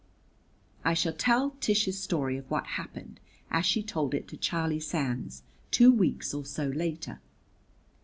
I shall tell Tish's story of what happened as she told it to Charlie Sands two weeks or so later.